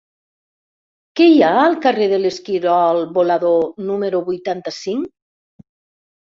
Què hi ha al carrer de l'Esquirol Volador número vuitanta-cinc?